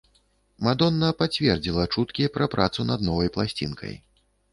Мадонна пацвердзіла чуткі пра працу над новай пласцінкай.